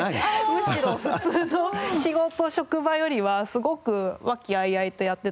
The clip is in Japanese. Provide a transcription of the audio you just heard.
むしろ普通の仕事職場よりはすごく和気あいあいとやってたのでラクチンで。